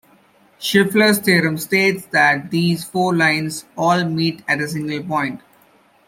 Schiffler's theorem states that these four lines all meet at a single point.